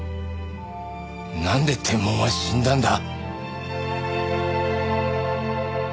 なんでテンモンは死んだんだ？